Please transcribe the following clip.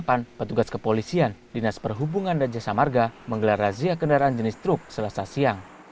petugas kepolisian dinas perhubungan dan jasa marga menggelar razia kendaraan jenis truk selesai siang